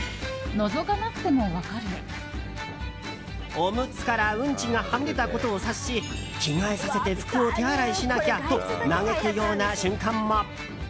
おむつからうんちがはみ出たことを察し着替えさせて服を手洗いしなきゃと嘆くような瞬間も。